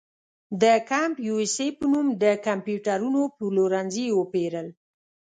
د کمپ یو اس اې په نوم د کمپیوټرونو پلورنځي یې وپېرل.